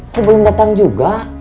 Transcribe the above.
kok belum datang juga